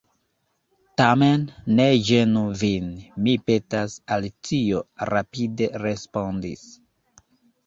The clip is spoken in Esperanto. "Tamen ne ĝenu vin, mi petas," Alicio rapide respondis.